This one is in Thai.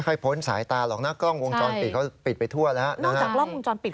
นอกจากล้องวงจรปิด